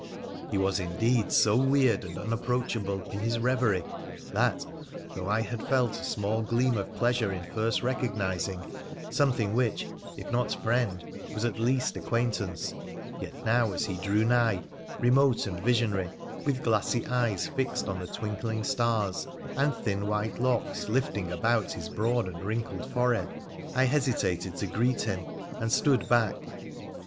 He was indeed so weird and unapproachable in his reverie that, though I had felt a small gleam of pleasure in first recog nising something which, if not friend, was at least acquaint ance, yet now as he drew nigh, remote and visionary, with glassy eyes fixed on the twinkling stars, and thin white lock3 lifting about his broad and wrinkled forehead, I hesitated to greet him, and stood back.